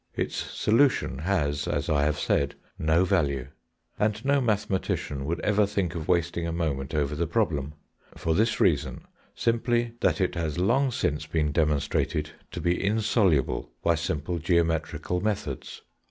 Its solution has, as I have said, no value; and no mathematician would ever think of wasting a moment over the problem—for this reason, simply, that it has long since been demonstrated to be insoluble by simple geometrical methods.